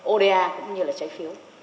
oda cũng như là trái phiếu